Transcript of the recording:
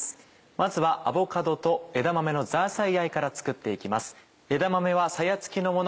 まずは「アボカドと枝豆のザーサイあえ」から作って行きます。